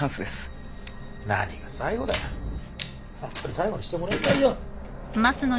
ホントに最後にしてもらいたいよ。